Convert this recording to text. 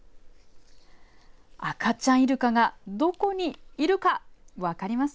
赤ちゃんいるかが、どこにいるか分かりますか。